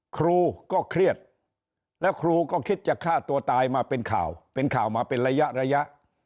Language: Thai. ครูก็เครียดแล้วครูก็คิดจะฆ่าตัวตายมาเป็นข่าวเป็นข่าวมาเป็นระยะระยะ